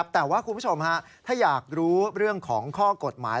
แต่ว่าคุณผู้ชมถ้าอยากรู้เรื่องของข้อกฎหมาย